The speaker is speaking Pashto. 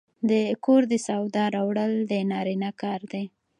د کور د سودا راوړل د نارینه کار دی.